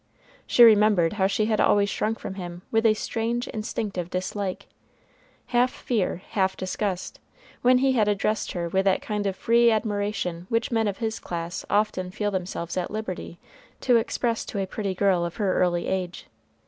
She remembered how she had always shrunk from him with a strange instinctive dislike, half fear, half disgust, when he had addressed her with that kind of free admiration which men of his class often feel themselves at liberty to express to a pretty girl of her early age.